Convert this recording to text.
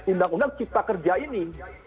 undang undang cipta kerja ini